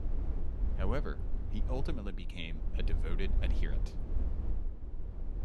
However, he ultimately became a devoted adherent.